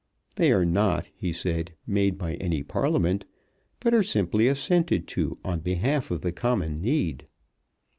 They are not, he said, made by any Parliament, but are simply assented to on behalf of the common need.